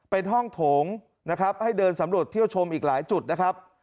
เป็นห้องโถงนะครับให้เดินสำรวจเที่ยวชมอีกหลายจุดนะครับ